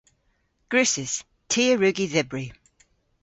Gwrussys. Ty a wrug y dhybri.